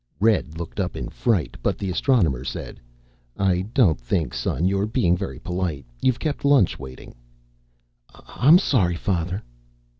Red looked up in fright, but the Astronomer said, "I don't think, son, you're being very polite. You've kept lunch waiting." "I'm sorry, Father."